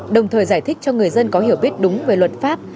đồng thời giải thích cho người dân có hiểu biết đúng về luật pháp